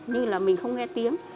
như là mình không nghe tiếng